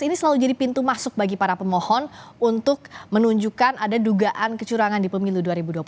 ini selalu jadi pintu masuk bagi para pemohon untuk menunjukkan ada dugaan kecurangan di pemilu dua ribu dua puluh